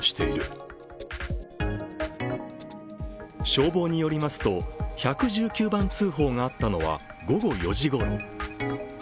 消防によりますと、１１９番通報があったのは午後４時ごろ。